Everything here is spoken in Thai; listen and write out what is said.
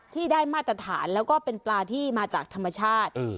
ที่ได้มาตรฐานแล้วก็เป็นปลาที่มาจากธรรมชาติ